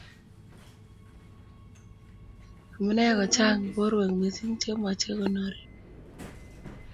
amune ko chang' borwek mising' che mechei konore?